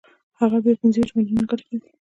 هغه بیا پنځه ویشت میلیونه ګټه کوي